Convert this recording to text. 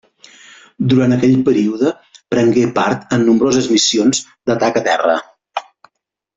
Durant aquell període prengué part en nombroses missions d'atac a terra.